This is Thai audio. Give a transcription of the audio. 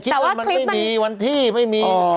คลิปออกไม่มีวันที่ไม่มี